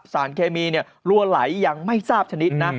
สารเคมีรั่วไหลยังไม่ทราบชนิดนะ